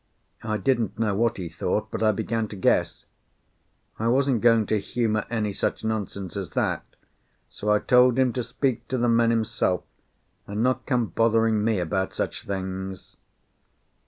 I didn't know what he thought, but I began to guess. I wasn't going to humour any such nonsense as that, so I told him to speak to the men himself, and not come bothering me about such things.